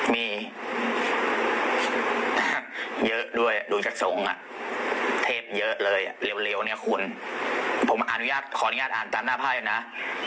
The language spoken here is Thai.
มีเยอะด้วยดูจัดส่งเทปเยอะเลยนะเลยเร็วขออนุญาตอ่านจัดหน้าไพ่เป็นน้า